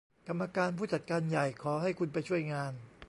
กรรมการผู้จัดการใหญ่ขอให้คุณไปช่วยงาน